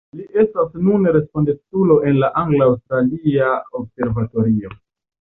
Li estas nune responsulo en la Angla-Aŭstralia Observatorio.